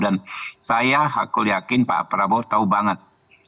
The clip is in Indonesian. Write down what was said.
dan saya aku yakin pak prabowo tahu banget